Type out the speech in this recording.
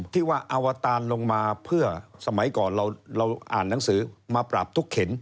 ที่ว่าอวตารลงมาเพื่อสมัยก่อนเราอ่านหนังสือมาปราบทุกเข็น